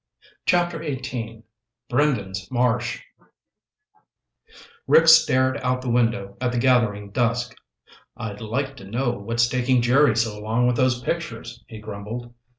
CHAPTER XVIII Brendan's Marsh Rick stared out the window at the gathering dusk. "I'd like to know what's taking Jerry so long with those pictures," he grumbled.